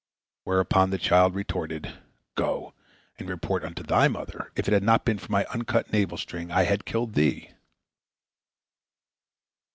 Whereupon the child retorted, "Go and report unto thy mother, if it had not been for my uncut navel string, I had killed thee!"